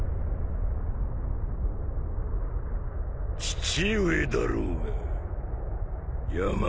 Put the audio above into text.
父上だろうが。